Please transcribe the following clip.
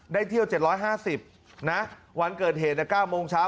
เที่ยว๗๕๐นะวันเกิดเหตุ๙โมงเช้า